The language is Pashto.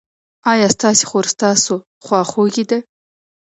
ایا ستاسو خور ستاسو خواخوږې ده؟